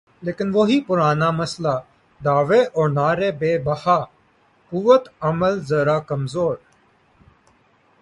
لیکن وہی پرانا مسئلہ، دعوے اور نعرے بے بہا، قوت عمل ذرا کمزور۔